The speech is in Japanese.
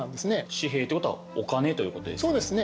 紙幣ということはお金ということですか。